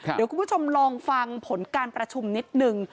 เดี๋ยวคุณผู้ชมลองฟังผลการประชุมนิดนึง